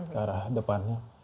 ke arah depannya